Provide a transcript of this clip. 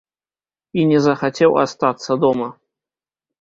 І не захацеў астацца дома.